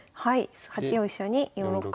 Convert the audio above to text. ８四飛車に４六角。